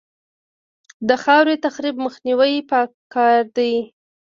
د خاورې تخریب مخنیوی پکار دی